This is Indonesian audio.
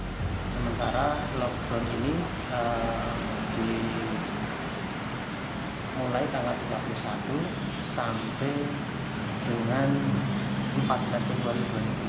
nah sementara lockdown ini dimulai tanggal tiga puluh satu sampai dengan empat belas februari dua ribu dua puluh